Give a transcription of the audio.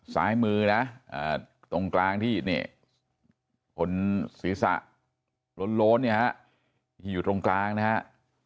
สายมือนะตรงกลางที่คนศีรษะโลนอยู่ตรงกลางนะครับ